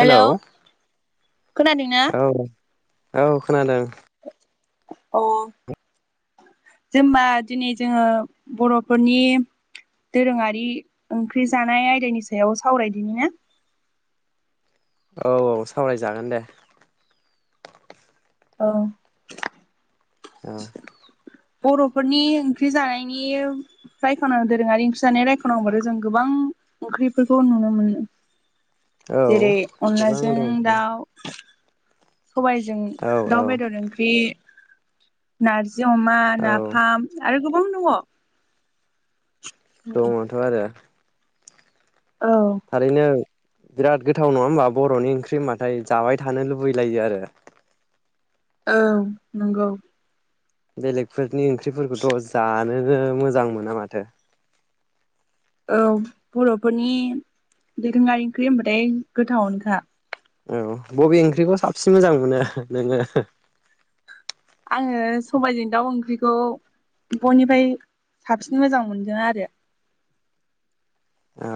Hello खोनादोंं ना औ औ खोनादों औ जोमबा दिनै जोङो बर'फोरनि दोरोङारि ओंख्रि जानाय आयदानि सायाव सावरायदिनि ना औ औ सावरायजागोन दे औ औ बर'फोरनि ओंख्रि जानायनि रायख'ना दोरोङारि ओंख्रि जानाय रायख'नांगौबाथ' जों गोबां ओंख्रिफोरखौ नुनो मोनो औ जेरै गोबां अनलाजों दं दाउ सबाइजों औ औ दाउ बेदर ओंख्रि नारजि जि अमा नाफाम आरो गोबां दङ दङथ' आरो औ थारैनो बिराद गोथाव नङा होमबा बर'नि ओंख्रि होनबाथाय जाबाय थानो लुबैलायो आरो औ नंगौ बेलेकफोर नि ओंख्रिफोरखौथ' जानो ओ मोजां मोना माथो औ बर'फोरनि दोरोङारि ओंख्रि होनबाथाय गोथावनोखा औ बबे ओंख्रिखौ साबसिन मोजां मोनो ओहो नोङो आङो सबायजों दाउ ओंख्रिखौ बयनिफाय साबसिन मोजां मोनदों आरो ओ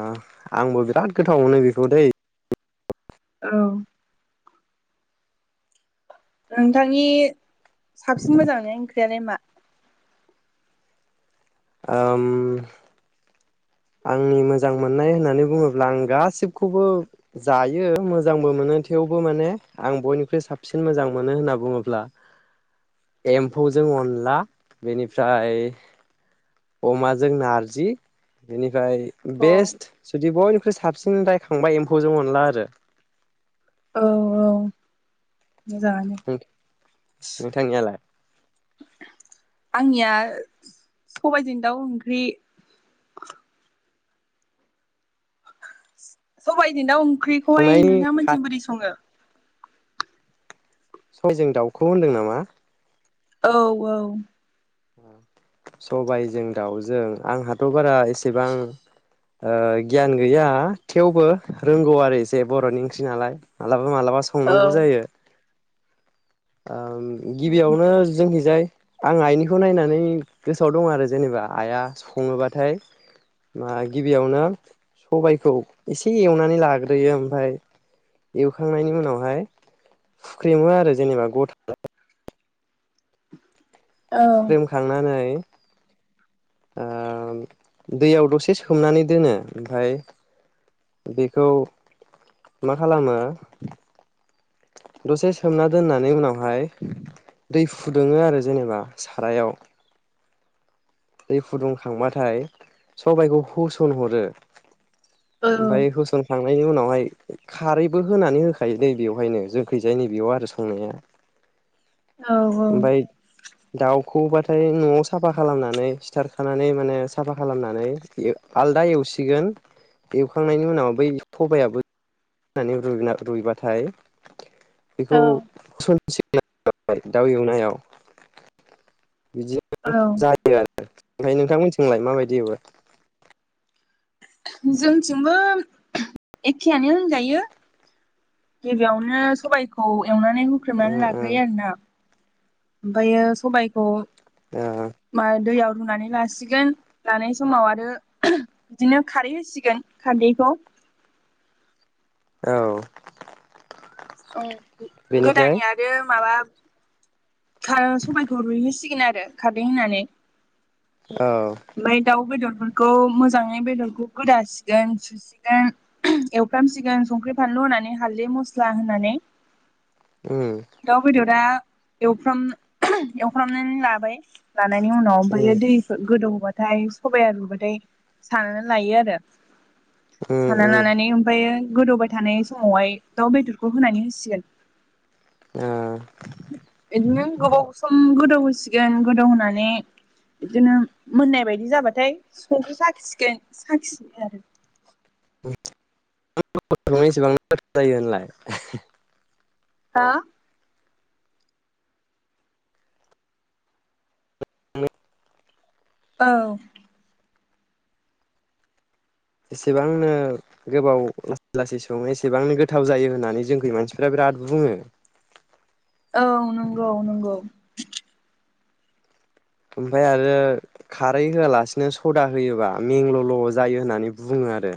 आंबो बिराद गोथाव मोनो बिखौ दै औ नोंथांनि साबसिन मोजां मोननाय ओंख्रियालाय मा ओम आंनि मोजां मोननाय होननानै बुङोब्ला आं गासिबखौबो जायो मोजांबो मोनो थेवबो माने आं बयनिख्रुइ साबसिन मोजां मोनो होनना बुङोब्ला एम्फौजों अनला बेनिफ्राय अमाजों नारजि बिनि फ्राय अ बेस्ट औ जुदि बय साबसिन रायखांबा एम्फौजों अनला आरो औ औ मोजाङानो नोंथां-नोंथांनियालाय आंनिया सबायजों दाउ ओंख्रि सबायजों दाउ ओं ओंख्रिखौहाय संनायनि नोंथांमोनथिं बोरै सङो सबायजों दाउखौ होनदों नामा औ औ सबायजों दाउजों आंहाथ' बारा एसेबां ओ गियान गैया थेवबो रोंगौ आरो एसे बर'नि ओंख्रि नालाय मालाबा मालाबा औ संनांगौ जायो आ ओम गिबियावनो जोंनिजाय आं आइनिखौ नायनानै गोसोआव दं आरो जेनेबा आइआ सङोबाथाय मा गिबियावनो सबाइखौ एसे एवनानै लाग्रोयो ओमफ्राय एवखांनायनि उनावहाय फुख्रेमो आरो जेनेबा गथा फुख्रिमखांनानै ओ दैयाव दसे सोमनानै दोनो ओमफफ्राय बेखौ मा खालामो। दसे सोमना दोननानै उनावहाय दै फुदुङो आरो जेनेबा सारायाव दै फुदुंखांबाथाय सबाइखौ होसनहरो बाय होसन खां खांनायनि उनावहाय खारैबो होनानै होखायो दै बेवहायनो जोंखैजाय नै बेयाव आरो संनाया औ औ ओमफ्राय दाउखौबाथाय न'आव साफा खालामनानै सिथारखानानै माने साफा खालामनानै आलदा एवसिगोन एवखांनायनि उनाव बै सबायाबो रुइबाथाय बेखौ दाउ एवनायाव बिदिनो जायो आरो। ओमफाय नोंथांमोनथिंलाय माबायदि हो जोंथिंबो एखेयानो होनजायो। गिबियावनो सबायखौ एवनानै ओ होख्रेमनानै ओ लाग्रोयो आरोना। ओमफ्रायो सबायखौ ओ माय दैयाव रुनानै लासिगोन लानाय समाव आरो बिदिनो खारै होसिगोन खारदैखौ औ औ बेनिफ्राय गोदान आरो माबा खार सबायखौ रुइहोसिगोन आरो खारदै होनानै औ ओमफ्राय दाउ बेदर बेफोरखौ मोजाङै बेदरखौ गोदासिगोन सुसिगोन एवफ्रामसिगोन संख्रि फानलु होनानै हाल्दै मस्ला होनानै उम दाउ बेदरा एवफ्राम एवफ्रामनानै लाबाय लानायनि उनाव ओमफ्रायो उम दै गोदौ नबाथाय सबाया रुबाथाय सानानै लायो आरो। उम साना लानानै ओमफ्रायो गोदौबाय थानाय समावहाय दाउ बेदरखौ होनानै होसिगोन ओ बिदिनो गोबाव सम गोदौ होसिगोन गोदौ होनोनानै बिदिनो मोननाय बायदि जाबाथाय समखौ साखिसिगोन साखिसि आरो। एसेबां जायो होनलाय हा [unintelligible] औ एसेबांनो गोबाव लासै लासै सङो एसेबांनो गोथाव जायो होननानै जोंखौ मानसिफोरा बिराद बुङो। औ नंगौ नंगौ। ओमफ्राय आरो खारै होआलासिनो सदा होयोबा मेंगल'ल' जायो होननानै बुङो आरो।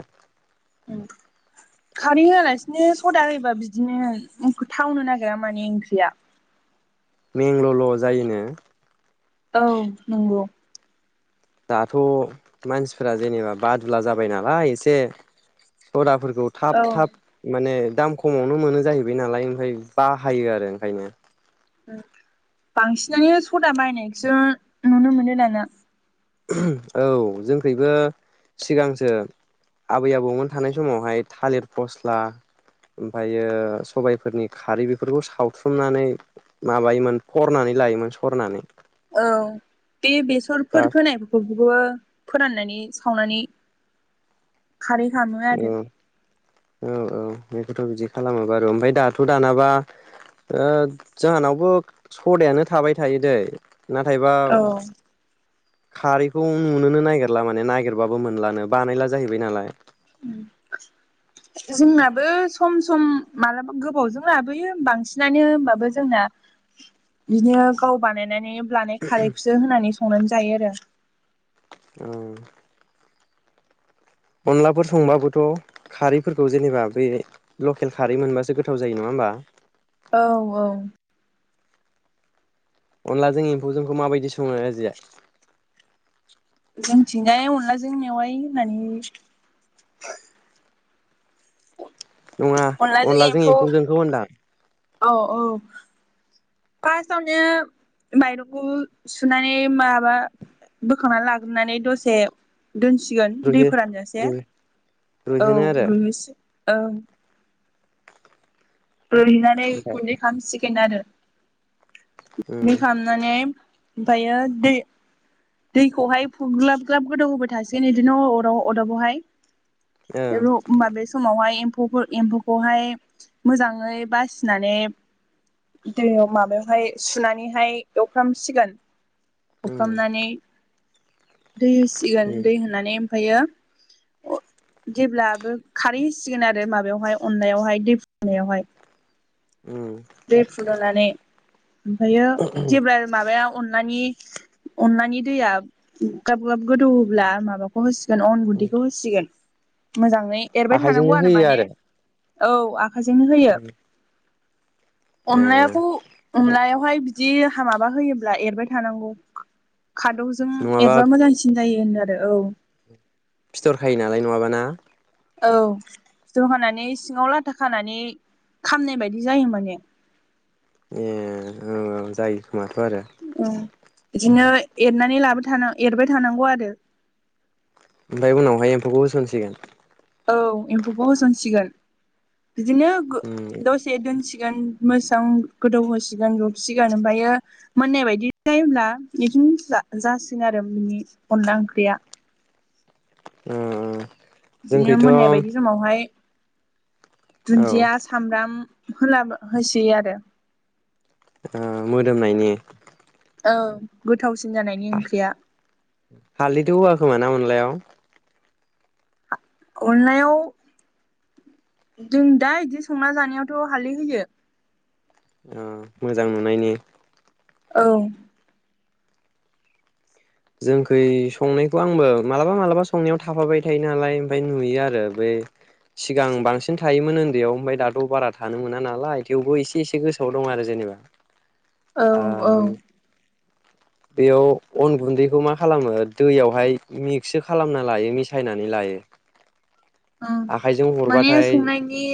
खारै होआलासिनो सदा होयोबा बिदिनो थावनो नागिरा माने ओंख्रिया मेंंगल'ल' जायोनो। औ नंगौ। दाथ' मानसिफोरा जेनेबा बादुला जाबाय नालाय एसे सदाफोरखौ खौ थाब औ थाब माने दाम खमावनो मोनो जाहैबाय नालाय ओमफ्राय बाहायो आरो ओंखायनो बांसिनानो सदा बायनायसो नुनो मोनो दाना। औ जोंखिबो सिगांसो आबै आबौमोन थानाय समावहाय थालिर फस्ला ओमफ्रायो सबायफोरनि खारै बेफोरखौ सावथुमनानै माबायोमोन फरनानै लायोमोन सरनानै औ बे दा बेसरफोर फोननाय फोराननानै सावनानै खारै खालामो औ आरो औ औ बेखौथ' बिदि खालामो बार ओमफ्राय दाथ' दानाबा ओ जाहानावबो सदायानो थाबाय थायो दैे नाथायबा औ खारैखौ नुनोनो नागिरला माने नागिरबाबो मोनलानो बानायला जाहैबाय नालाय। जोंनाबो सम सम मालाबा गोबावजों लाबोयो बांसिनानो होमबाबो जोंना बिदिनो गाव बानायनानै लानाय खारैसो होननानै संनानै जायो आरो। औ अनलाफोर संबाबोथ' खारैफोरखौ जेनेबा बे लकेल खारै मोनबासो गोथाव जायो नङा होमबा? औ औ अनलाजों एम्फौ जोंखौ माबायदि सङो आजिया जोंथिंजाय अनलाजों मेवाय होननानै नङा अनलाजों एम्फौजोंखौ होनदां औ औ फार्स्टआवनो माइरंखौ सुनानै माबा बोखांनानै लाग्रोनानै दसे दोनसिगोन रुइहो दैफोरानोसे रुइ औ रुइहोनो आरो रुहनोसै औ रुयहोना ओमफ्राय गुन्दै खालामसिगोन। खएनआदओ। उम गुन्दै खालामनानै ओमफ्रायो दै दैखौहाय फु ग्लाब ग्लाब गोदौ होबाय थासिगोन बिदिनो अर अरदाबावहाय ओं होनबा बे समावहाय एम्फौ एम्फौखौहाय मोजाङै बासिनानै दैयाव माबायावहाय सुनानैहाय एवफ्रामसिगोन। उम हुफ्रामनानै दै होसिगोन उम दै होनानै ओमफायो जेब्लाबो खारैसिगोन आरो माबायावहाय अननायावहाय दै होनावहाय उम बे फुदुंनानै ओमफ्रायो जेब्ला माबायाव अनलानि अनलानि दैया गाब गाब गोदौब्ला माबाखौ हो सिगोन अन उम गुन्दैखौ हो होसिगोन। मोजां एरबाय थानांगौ आखाइजोंनो आरो होयो माने। औ हाजोंनो होयो। उम ए अनलायाखौ अनलाया बेवहाय बिदि माबा होयोब्ला एरबाय थानांगौ। खादौजों नङाबा एरबा मोजांसिन जायो होनो। आरो औ फिथरखायो नालाय नङाबाना। औ ज होनानै सिङाव लाथा खानानै खामनाय बायदि जायो। माने ए जायो। माथो आरो औ बिदिनो एरनानै लाबाय था एरबाय थानांगौ आरो। ओमफ्राय उनावहाय एम्फौखौ होसनसिगोन। औ एम्फौखौ होसनसिगोन। बिदिनो उम दसे दोनसि गोन मोसां गोदौ होसिगोन रुसिगोन ओमफ्रायो मोननाय बायदि जायोब्ला बिदिनो जासिग आरो बिनि अनला ओंख्रिया ओ ओ बिदिनो मोननाय बायदि समावहाय ओ दुन्दिया सामब्राम होला होस आरो ओ मोदोमनायनि औ गो हालदैथ' होवा खोमा अनलायाव अनलयाव जों दा बिदि संना जानायावथ' हालदै होयो। ओ मोजां नुनायनि औ जोंखै संनायखौ आंबो मालाबा मालाबा संनायाव थाफाबाय थायो नालाय ओमफ्राय नुयो आरो बे सिगां बांसिन थायोमोन उन्दैयाव ओमफफ्राय दाथ' बारा थानो मोना नालाय थेवबो एसे एसे गोसोआव दं आरो जेनेबा औ औ ओ बेयाव अन गुन्दैखौ मा खालामो दैयावहाय मिक्स खालामना लायो मिसायनानै लायो। औ आखाइजों माने हरबाथाय संनायनि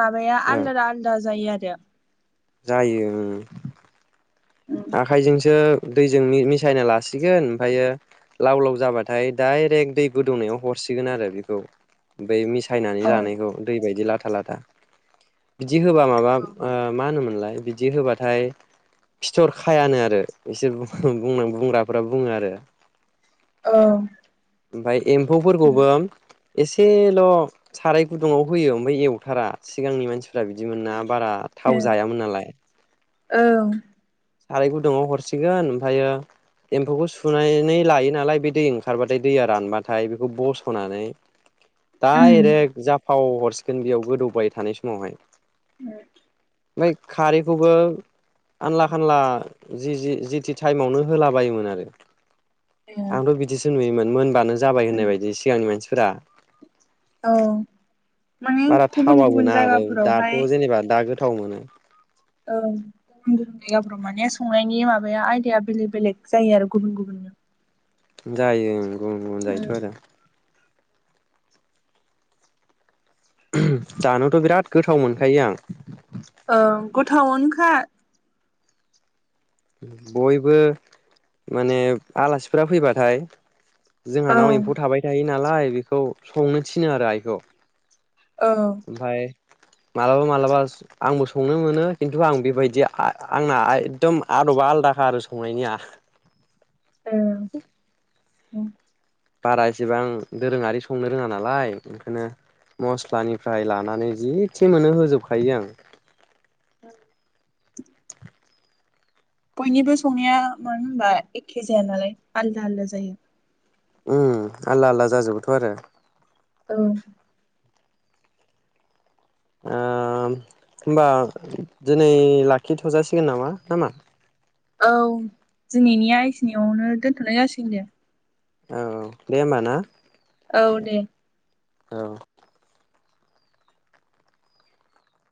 माबाया ओ आलदा आलदा जायो आरो। [unintelligible] जायो। आखाइजोंसो दैजों मि-मिसायना लासिगोन ओमफ्रायो लाव लाव जाबाथाय डायरेक्ट दै गोदौनायाव हरसिगोन आरो बेखौ सायनानै औ लानायखौ दै बायदि लाथों। लाथा लाथा जि होब्ला माबा ओ मा होनोमोनलाय बिदि होबाथाय फिथर खायानो आरो इसोर बुं बुंग्राफोरा बुङो आरो। औ बाय औ एम्फौफोरखौबो एसेल' साराय गुदुाव होयो ओमफ्राय एवथारा सिगांनि मानसि फ्रा बिदिमोनना बारा थाव ओं जायामोन नालाय औ साराय गुदुङाव हरसिगोन ओमफ्रायो एम्फौखौ सुनानै लायो नालाय बे दै ओंखारबाथाय दैया रानबाथाय बेखौ बस'नानै उम दाइरेक जाफाव हरस गोन बियाव गोदौबाय थानाय समावहाय आरो ओमफ्राय खारैखौबो आनला फानला जि जिथि टाइमावनो होलाबायायोमोन आरो आंथ' बिदिस न मोनबानो जाबाय होननाय बायदि सिगांनि मानसि ब्रा औ माने बारा गुबुन थावा गुबुन गोना आरो दाथ' जायगाफोरावहाय जेनेबा दागोर गोथाव मोनो ओं गुबुन गुबुन जायगाफोराव माने संनायनि माबाया आयदाया बेलेग बेलेग जायो आरो गुबुन गुबुननो जायो गुबुन गुबुन जायोथ' आरो दानोथ' बिराद गोथाव मोनखायो आं ओं गोथावन हा बयबो माने आलासिफोरा फैबाथाय जोंहा औ नाव एम्फौ थाबाय थायो नालाय बेखौ संनो थिनो आरो आइखौ औ ओमफाय मालाबा मालाबा आंबो संनो मोनो खिन्थु आं बेबायदि आंना एकदम आदबा आलादाखा आरो संनायनिया औ उम बारा एसेबां दोरोङारि संनो रोङा नालाय ओंखायनो मस्लानिफ्राय लानानै जिसे मोनो होजोबखायो आं [unintelligible] बयनिबो संनाया मानो होनबा एखे जाया नालाय आलदा आलदा जायो उम आलदा आलदा जाजोबोथ' आरो औ ओ होनबा दिनै लाखिथ'जासिगोन नामा नामा औ दिनैनिया इखिनियावनो दोनथ'नाय जासिगोन दे औ दे होमबा ना औ दे औ